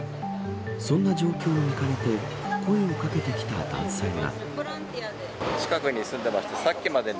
そんな状況を見かねて声を掛けてきた男性が。